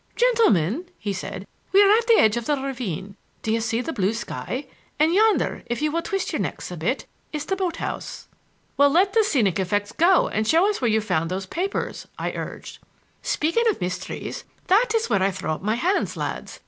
"Gentlemen," he said, "we are at the edge of the ravine. Do you see the blue sky? And yonder, if you will twist your necks a bit, is the boat house." "Well, let the scenic effects go and show us where you found those papers," I urged. "Speaking of mysteries, that is where I throw up my hands, lads.